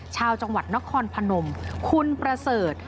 ชาวจังหวัดนครพนมคุณประเสริฐ